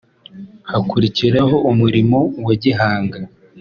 Hakurikiraho Umuriro wa Gihanga